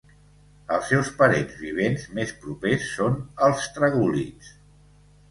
Els seus parents vivents més propers són els tragúlids.